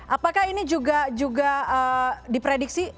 apakah ini juga diprediksi